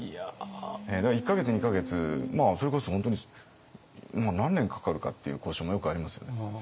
だから１か月２か月それこそ本当に何年かかるかっていう交渉もよくありますよね。